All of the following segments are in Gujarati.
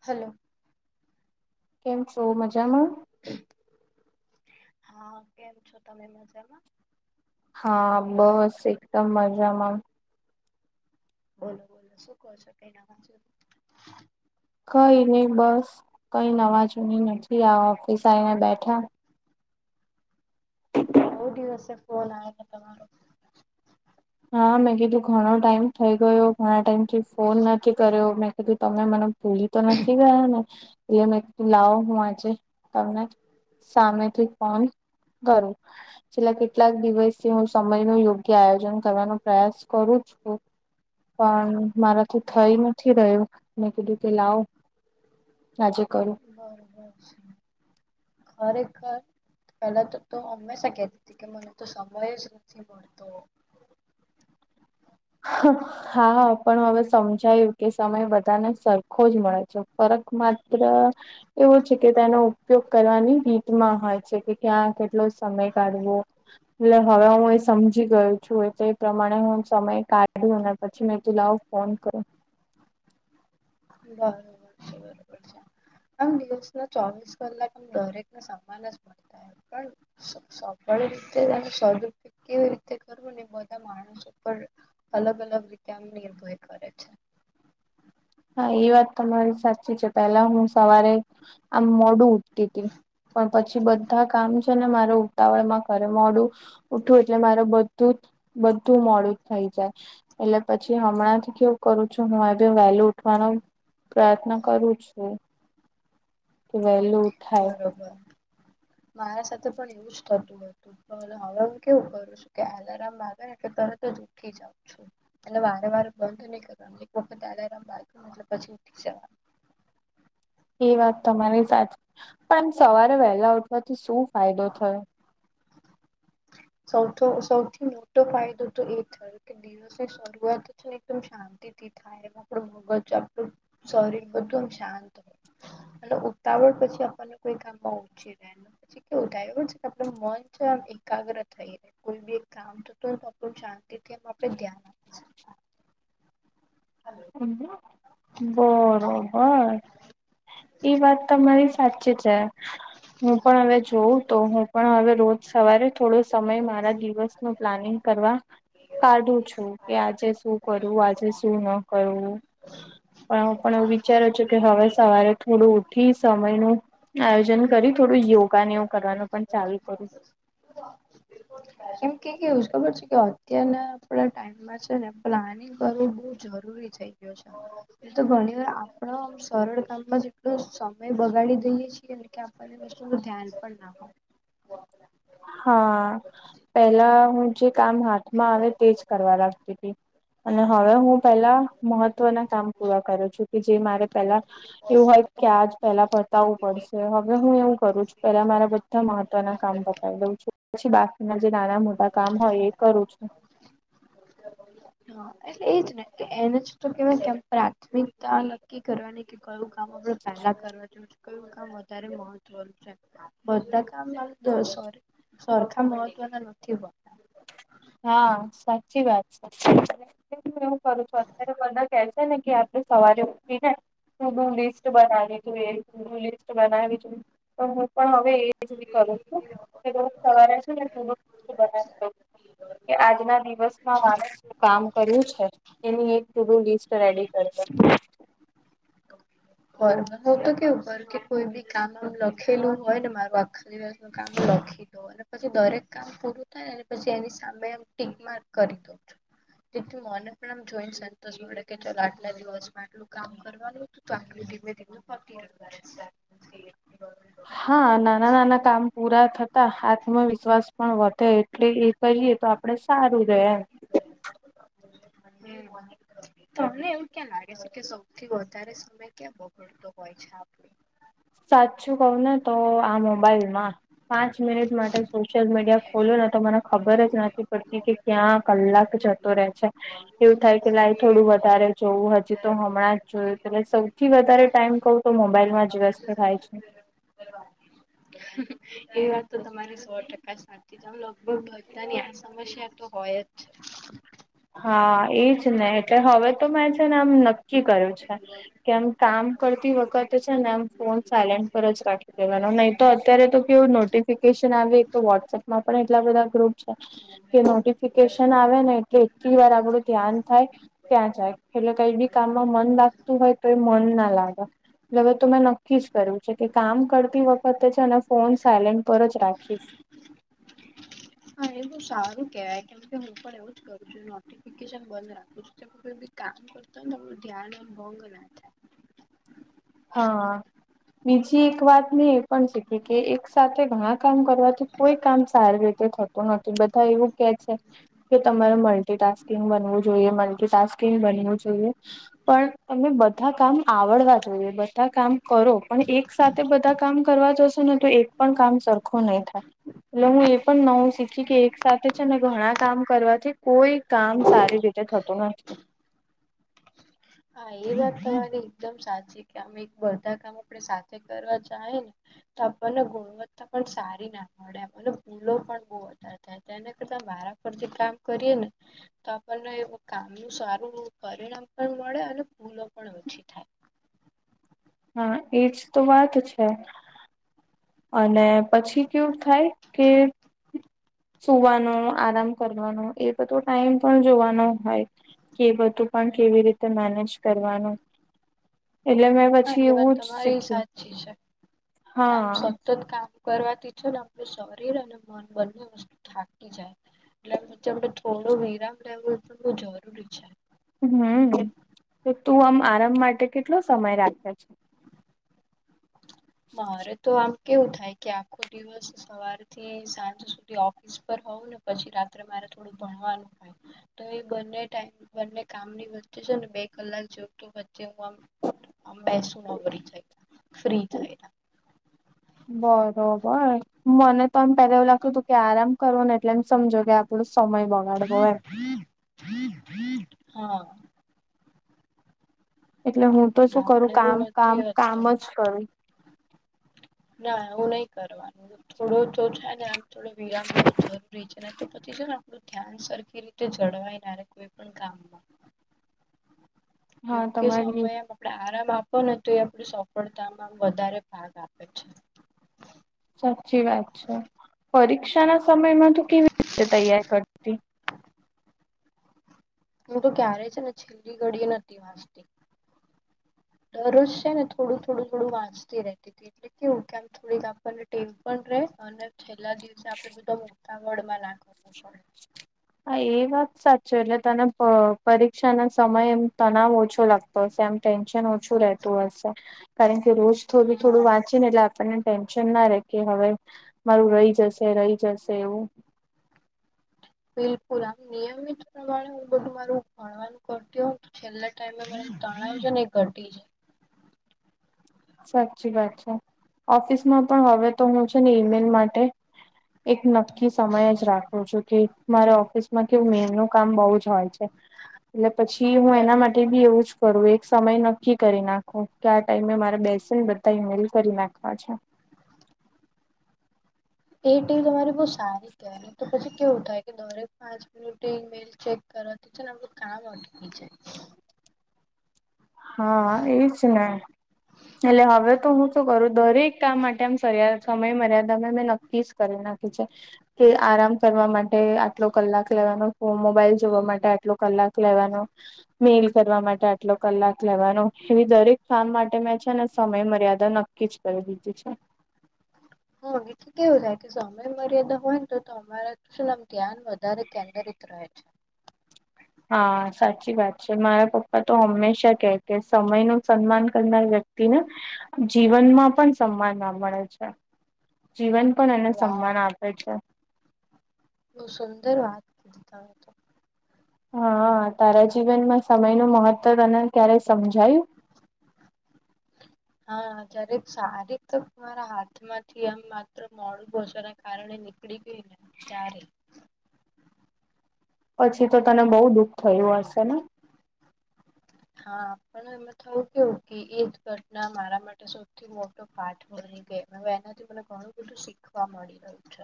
હલો કેમ છો મજામાં? હા કેમ છો તમે મજામાં? હા બસ એકદમ મજામાં. બોલો બોલો શું કહો છો કઈ ના વાંચ, કઈ નહી બસ કઈ નવાજૂની નથી આ ઓફિસ આવીને બેઠા, બઉુ દિવસે ફોન આવ છે તમારો. હા મેં કીધું ઘણો ટાઈમ થઈ ગયો ઘણા ટાઈમ થી ફોન નથી કર્યો મેં કીધું તમે મને ભૂલી તો નથી ગયા ને એમ એકું લાવ હું આજે તમને સામેથી ફોન કરું છેલ્લા કેટલાક દિવસથી હું સમય ન યોગ્ય આયોજન કરવાનો પ્રયાસ કરું છું. પણ મારાથી થઈ નથી રહ્યો મે કીધુંતે લાવ સાજે કરું બરોબર છે ખરેખર પેલા તો તો હંમેશા કતી હતી કે મને તો સમય જ નથી મળતો હા હા પણ હવે સમજાયું કે સમય બધાને સર ખોજ મળે છે ફરક માત્ર એવો છે કે તેનો ઉપયોગ કરવાની રીતમાં હોય છે કે ક્યાં કેટલો સમય કાઢવો એટલે હવે હું એ સમજી ગઈ છું એટલે એ પ્રમાણે હું સમય કાઢું અને પછી મેં કીધું લાવું ફોન કરો બરોબર છે બરોબર છે. આમ દિવસ ના ચોવીસ કલાકમ દરેકને સમાન જ મળે પણ સફળ રીતે અને સદ્ઉપયોગ કેવી રીતે કરવું ને એ બધા માણસ ઉપર અલગ અલગ રીતે આમ નિર્ભય કરે છે. હા એ વાત તમારી સાચી છે પેલા હું સવારે આમ મોડું ઉઠતી હતી પણ પછી બધા કામ છે ને મારે ઉતાવળમાં કરવું મોડું ઉઠવું એટલે મારે બધું જ બધું મોડું જ થઈ જાય એટલે પછી હમણાં થી કેવું કરું છું હું બી વેલુ વાનો પ્રયત્ન કરું છું. વહેલું ઉઠાય બરોબર મારા સાથે પણ એવું જ થતું હતું હવે હું કેવું કરું છું કે એલાર્મ વાગેને એટલે તરત જ ઊઠી જાઉં છું. એટલે વારે વારે બંધ નહી કરવાનું એક વખત એલાર્મ વાગે એટલે પછી ઊઠી જવાનું [inaudible] એ વાત તમારી સાચી પણ આમ સવારે વહેલા ઉઠવાથી શું ફાયદો થયો સૌથી સૌથી મોટો ફાયદો તો એ થયો કે જે શરૂઆત છે એકદમ શાંતિથી થાય એમ આપણું મગજ આપણું સોરી બધું એમ શાંત હોય અને ઉતાવળ પછી આપણને કોઈ કામમાં ઓછી રહે પછી. કંઇ થાયું છે આપણું મન છે આમ એકાગ્ર થઈ રહે કોઈ બી એક કામ થતો આપણું શાંતીથી એમ આપણે ધ્યાન આપી બરોબર એ વાત તમારી સાચી છે. હું પણ હવે જોઉં તો હું પણ હવે રોજ સવારે થોડો સમય મારા દિવસ નું પ્લાનિંગ કરવા કાઢું છું કે આજે શું કરું આજે શું ન કરું પણ હું પણ વિચારું છું કે હવે સવારે થોડું ઉઠી સમયનું આયોજન કરી થોડું યોગાને એવું કરવાનું પણ ચાલુ કરું [unintelligible] એમ કે કેવું છે ખબર છે કે અત્યારના આપણા ટાઈમમાં છે ને પ્લાનિંગ બહુ જરૂરી થઈ ગયો છે એ તો ઘણી વાર આપણો સરળ કામમાં જેટલો સમય બગાડી દઈએ છીએને કે અને વસ્તુ નું ધ્યાન પણ ના હોય હા પેલા હું જે કામ હાથમાં આવે તે જ કરવા લાગતી હતી અને હવે હું પેલા મહત્વના કામ પૂરા કરું છું કે જે મારે પેલા એવું હોય કે આજ પેલા પતાવું પડશે હવે હું એવું કરું છું પેલા મારા બધા મહત્વના કામ દઉં છું પછી બાકીના જે નાના મોટા કામ હોય એ કરું છું હા એટલે એજ ને કે એને જ તો કે કેમ પ્રાથમિકતા નકી કરવાની કે કયું કામ આપડણે પહેલા કરવા જેવું છે કયું કામ વધારે મહત્વનું છે. બધાકા સર સરખા મહત્વના નથી બ હા સાચી વાત છે એવું કરું છું અત્યારે બધા કે છે ને કે સવારે ઉઠી ને તું લિસ્ટ બનાવી તું એ લિસ્ટ બનાવી છે પણ હું પણ હવે એ રી બી કરું રોજ સવારા છે [unintelligible] કે આજના દિવસમાં માણસ કામ કર્યું છે એની એક પુરુ લિસ્ટ રેડી કરીએ હું તો કેવું ઘર કે કોઈ બી કામ લખેલું હોય ને મારું આ નું કામ લખી દો અને પછી દરેક કામ પૂરું પછી એની સામે એમ ટીક માર્ક કરી દઉં તેથી મને પણ આમ જોઈને સંતોષ મળે કે ચાલ આટલા દિવસમાં આટલું કામ કરવાનું હતું તો ટો ધીમે ધીમે પતી જતા રહેશે [unintelligible] હા નાના નાના કામ પૂરા થતા આત્મવિશ્વાસ પણ વધે એટલે એ કહીએ તો આપડે સારું રહે એમ હમ્મ તમને એવું ક્યાં લાગે છે કે સૌથી વધારે સમય ક્યાં બગડતો હોય છે આપડુ સાચું કઉ ને તો આ મોબાઈલ માં પાંચ મિનિટ માટે સોશિયલ મીડિયા ખોલુ ને તો મને ખબર જ નથી પડતી કે ક્યાં કલાક જતો રહે છે એવું થાય કે લાઈ થોડું વધારે જોવું હજી તો હમણાં જ જોયું એટ સૌ થી વધારે ટાઈમ કહું તો મોબાઈલમાં જ વસ એ વાત તો તમારી સો ટકા સાછી છે અમે લગભગ તની આ સમસ્યા તો હોય જ છે હા એજ ને એટલે હવે તો મેં છે ને આમ નક્કી કર્યું છે કેમ કામ કરતી વખતે છે ને એમ ફોન સાયલેન્ટ પર જ રાખી દેવાનો નહી તો અત્યારે તો કેવું નોટિસ ફિકેશન આવે એકતો વોટ્સએપમાં પણ એટલા બધા ગ્રુપ છે કે નોટિફિકેશન આવે ને એટલે એક વાર આપણું ધ્યાન થાય ત્યાં જાય એટલે કઈ બી કામમાં મન લાગતું હોય તો એ મન ના લાગે એટલે હવે તો મેં નક્કી જ કર્યું છે કે કામ કરતી વખતે છે ને ફોન સાયલેન્ટ પર જ રાખીશ હા એ બો સારું કેવાય કેમ કે હું પણ એવું જ કરું છું ન નોટિફિકેશન બંધ રાખુ છુ કેમકે કામ કરતાને ધ્યાન ભંગ નાથાયે હા બીજી એક વાત ને એ પણ છે કે કે એક સાથે ઘણા કામ કરવાથી કોઈ કામ સારી રીતે થત તો નથી બધા એવું કે છે કે તમારે મલ્ટીટાસ્કિંગ બનવું જોઈએ મલ્ટીટાસ્કિંગ બનવું જોઈએ પણ તમે બધા કામ આવડવા જોયએ બધા કામ કરો પણ એક સાથે બધા કામ કરવા જશો ને તો એક પણ કામ સરખું નહી થાય એટલે હું એ પણ નવું શીખી કે એક સાથે છે ને ઘણા કામ કરવાથી કોઈ કામ સારી રીતે થતું નથી હા એ વાત તમારી એકદમ સાચી કે અમે એક બધા કામ આપડ સાથે કરવા જાય ને તો આપડને ણવત્તા પણ સારી નાખ મળે અને ભૂલો પણ બહ વધારે થાય એના કરતા મારા પરથી કામ કરીએ ને તો આપણને કામનું સારું પરિણામ પણ મળે અને ભૂલો પણ ઓછી થાય હા એજ તો વાત છે અને પછી કેવું થાય કે સુવાનો આરામ કરવાનો એ બધો ટાઈમ પણ જોવાનો હોય કે બધું પણ કેવી રીતે મેનેજ કરવાનું એટલે મે હા એ વાત તમારી સાચી છે કામ હા સક્ત કામ કરવાથી છે ને આપડ શરીર અને મન બંને વસ્તુ થાકી જાય એટલે આણે થોડો વિરામ લેવો એ પણ બહુ જરૂરી છે હમ તો તું આમ આરામ માટે કેટલો સમય રાખ્યો છે મારે તો આમ કેવું થાય કે આખો દિવસ સવાર થી સાંજ સુધી ઓફિસ પર હોઉું ને પછી રાત્રે મારે થોડું ભણવાનું થાય તો એ બંને ટાઈમ બંને કામની વચ્ચે છે ને બે કલાક જો તો વચ્ચે હ આમ બેસું ન વરી થાય ફ્રી થાય બરોબર મને તો એમ પેલા એવું લાગતું હતું કે આરામ કરવો ને એટલે એમ સમજો કે આપણો સમય બગાડવો એમ બ બટ એટલે હું તો શું ના પણ કરું એવું કામ કામ નથી કામ હતું જ કરું ના હું નહી કરવાનું થોડું તો થાય ને આમ થોડો વિરામ લેવો જરૂરી છે ને તો પતી જાય ને આપડું ધ્યાન સરખી રીતે જળવાય નારે કોઈ પણ કામમાં હા યોગ્ય તમારી સમમય આપડ આરામ આપોને તો એ આપડ સફળતામાં વધારે ભાગ આપે છે સાચી વાત છે પરીક્ષા ના સમયમાં તું કેવી રીતે તૈયાર કર હું તોું ક્યારેય છે ને છેલ્લી ઘડી નથી વાંજતી દરજ છે ને થોડું થોડું થોડું વાંચતી રહેતી હતી એટલે કેવ કેમ થોડીક આપણને ટેમ પણ રે અને છેલ્લા દિવ િવ આપે બધા મોટા વળમાં નાખવો પડે હા એ વાત સાચી એટલે તને પરીક્ષા ના સમય એમ તણાવ ઓછો લાગતો આમ ટેન્શન ઓછું રતું હશે કારણ કે રોજ થોડું હા થોડું વાં એટલે આપણને ટેન્શન ના રે કે હવે મારું રહી જશે રહી જશે એવું બિલકુલ આમ નિયમિત પ્રમાણે હું બધું મારું ભણવાનું કરતી હો છેલ્લા ટાઈમેમાં મા તણાવ છે એ ઘટી જ સાચી વાત છે ઓફિસ માં પણ હવે તો હું છે ને ઈમેલ માટે એક ન સમય જ રાખું છું કે મારે ઓફિસમાં કેવું મે નું કામ બહુ જ હોય છે એટલે પછી હું એના બરોબર માટે બી એવું જ કરું એક સમય નક્કી કરી નાખું કે આ ટાઈમે મારે બેસે બધા ઇમેલ કરી નાખવા છે એ ટીલ તમારી બઉ સારી કે તો પછી કેવું થાય કે દોરેક પાચ ઇમેલ ચેક કર એમર કામ અઈ જાય હા એજ ને એટલે હવે તો હું શું કરું દરેક કામ માટે આમ સમય મર્યાદામે મેં ન પીસ કરી નાખી છે કે આરામ કરવા માટે આટલો કલાક લેવાનો મોબાઈલ જોવા માટે આટલો કલાક લેવાનો મેલ કરવા માટે આટલો કલાક લેવાનું એવી દરેક કામ માટે મેં છે ને સમય મર્યાદા નક્કી જ કરી દીધી છે હ એલે કેવું થાય કે સમય મર્યાદા હોય ને તો તમારાુંમ ધ્યાન વધારે કેન્દ્ર રહે છે હા સાચી વાત છે મારા પપ્પા તો હંમેશા કે કે સમય નું સન્માન કરનાર વ્યક્તિ ને જીવનમાં પણ સમાન ના મળે છે જીવન પણ એને વાહ સન્માન આપે છે બહુ સુંદર વાત કીધતા હોય તો હા તારા જીવનમાં સમય નું મહત્ત્વ તને ક્યારેય સમજાયું હા જય્યારે સારી તો મારા હાથમાંથી આમ માત્ર મોડું પોચવા ના કારણે ની પકડી ગઈ ને ચાલે પછી તો તને બઉુ દુઃખ થયું હશે ને હા પણ એમાં થવું કેવું કે એ જ ઘટના મારા માટે શું થી મોટો પાઠ બની ગયો હવે એનાથી મને ઘણું બધું શીખવા મળી રહ્યું છે.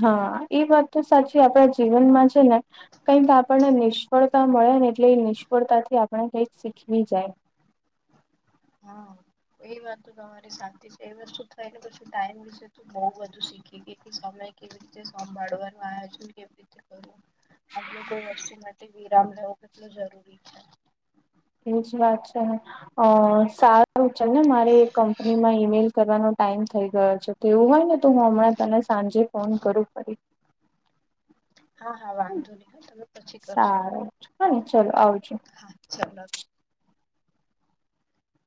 હા એ વાત તો સાચી આપણા જીવનમાં છે, ને કઈક આપણને નિષ્ફળતા મળે ને એટલે એ નિષ્ફળતાથી આપણે કઈક શીખવી જાય હા એ વાત તો તમારી સાચી છે એ વસ્તુ થાયને પછી ટાઈમ વિશે બઉ બધું શીખી ગઈ સમય કેવી રીતે સાભાળવાનું આયોજન કેવી રીતે કરવું આપડું કોઈ વસ્તુ માટે વિરામ લેવો કેટલો જરૂરી છે એ જ વાત છે ને અ સારું છે ને મારે એક કંપની માં ઈમેલ કરવાનો ટાઈમ થઈ ગયો છે તો એવું હોય ને તો હું હમણાં તને સાંજે ફોન કરું ફરી [inaudible] હા હા વાંધો નહી હ તમે પછી કરજો સારું હ ને ચલો આવજો હા ચલો